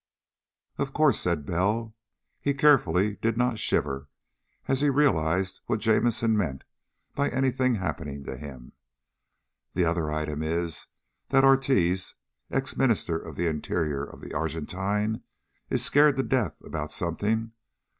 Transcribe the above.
"Of course," said Bell. He carefully did not shiver as he realized what Jamison meant by anything happening to him. "The other item is that Ortiz, ex Minister of the Interior of the Argentine, is scared to death about something.